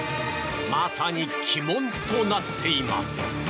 まさに鬼門となっています。